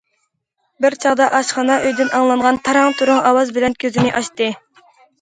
بىر چاغدا ئاشخانا ئۆيدىن ئاڭلانغان تاراڭ- تۇرۇڭ ئاۋاز بىلەن كۆزىنى ئاچتى.